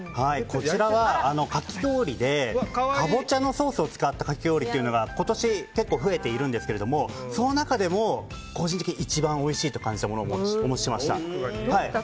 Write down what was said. こちらはかぼちゃのソースを使ったかき氷というのが今年、結構増えているんですけどその中でも、個人的に一番おいしいと感じたものをお持ちしました。